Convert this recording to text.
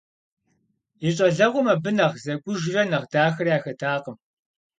И щӀалэгъуэм абы нэхъ зэкӀужрэ нэхъ дахэрэ яхэтакъым.